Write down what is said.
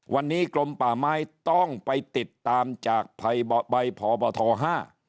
วันนี้กรมป่าไม้ต้องไปติดตามจากใบพบทห้า